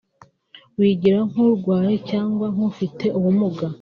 wigira nk’urwaye cyangwa nk’ufite ubumuga